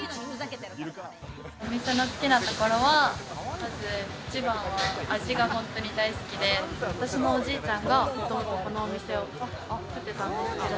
お店の好きなところは一番は味が本当に大好きで私のおじいちゃんがこのお店をやってたんですけど。